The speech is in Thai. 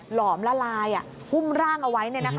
หลอมละลายหุ้มร่างเอาไว้